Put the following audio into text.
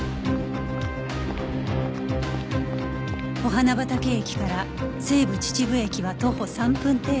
御花畑駅から西武秩父駅は徒歩３分程度